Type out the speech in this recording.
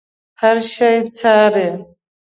هر شی څاري.